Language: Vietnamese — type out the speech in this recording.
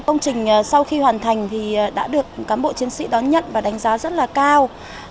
công trình sau khi hoàn thành thì đã được cán bộ chiến sĩ đón nhận và đánh giá rất là cao